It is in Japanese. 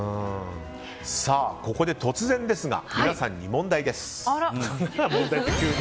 ここで突然ですが皆さんに問題です。